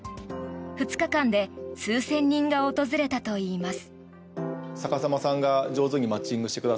２日間で数千人が訪れたといいます。